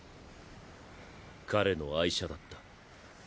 彼の愛車だった。